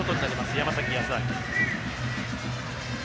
山崎康晃。